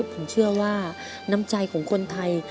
ผมเชื่อว่าน้ำใจของคนไทย